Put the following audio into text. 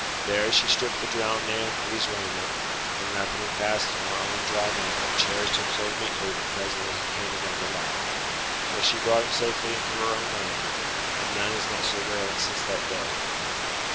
There she stripped the drowned man of his raiment, and wrapping him fast in her own dry mantle cherished him so meetly that presently he came again to life. So she brought him safely into her own land, and none has met Sir Graelent since that day.